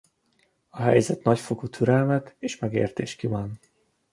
A helyzet nagyfokú türelmet és megértést kíván.